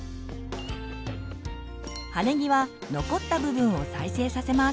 葉ねぎは残った部分を再生させます。